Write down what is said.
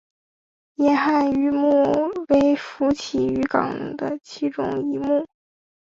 银汉鱼目为辐鳍鱼纲的其中一目。